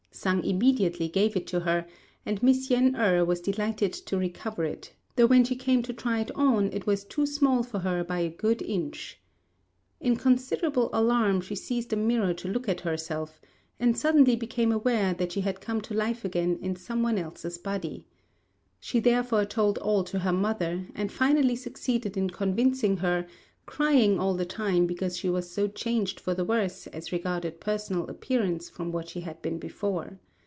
Sang immediately gave it to her, and Miss Yen êrh was delighted to recover it, though when she came to try it on it was too small for her by a good inch. In considerable alarm, she seized a mirror to look at herself; and suddenly became aware that she had come to life again in some one else's body. She therefore told all to her mother, and finally succeeded in convincing her, crying all the time because she was so changed for the worse as regarded personal appearance from what she had been before.